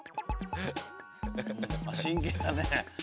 真剣だね！